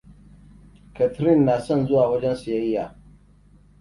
Catherin na son zuwa wajen siyayya.